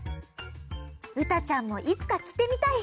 うたちゃんもいつかきてみたい